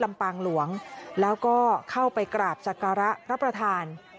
ลำปางหลวงแล้วก็เข้าไปกราบสักการะพระประธาน